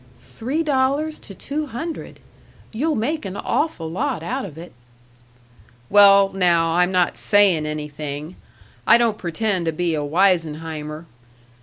three dollars to two hundred! You'll make an awful lot out of it." "Well, now, I'm not saying anything. I don't pretend to be a Wisenheimer.